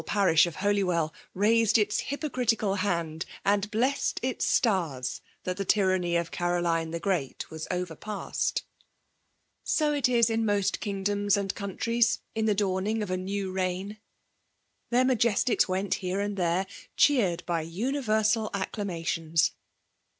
parish of Holji^'dl raised its hypocritical hand, and blessed its stars that the tyranny of Can^ line the Great was overpast So it is in most kingdoms and countries, in dxe daiming of a new reign ! Their 9£ei jesties went here and there, cheered by uni* versal acclamations.